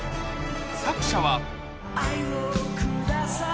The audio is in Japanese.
作者は。